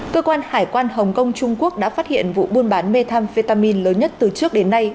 cơ quan hải quan hồng kông trung quốc đã phát hiện vụ buôn bán methamphetamine lớn nhất từ trước đến nay